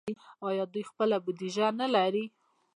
آیا دوی خپله بودیجه نلري؟